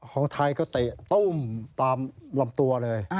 ของไทยก็เตะตุ้มตามลำตัวเลย